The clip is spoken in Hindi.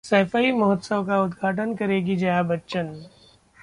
सैफई महोत्सव का उद्घाटन करेंगी जया बच्चन